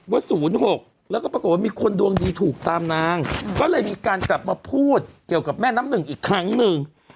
๐๖แล้วก็ปรากฏว่ามีคนดวงดีถูกตามนางก็เลยมีการกลับมาพูดเกี่ยวกับแม่น้ำหนึ่งอีกครั้งหนึ่ง